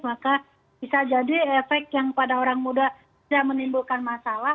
maka bisa jadi efek yang pada orang muda tidak menimbulkan masalah